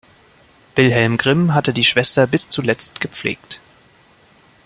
Wilhelm Grimm hatte die Schwester bis zuletzt gepflegt.